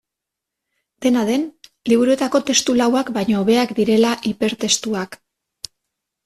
Dena den, liburuetako testu lauak baino hobeak direla hipertestuak.